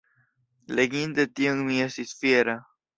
Leginte tion mi estis fiera.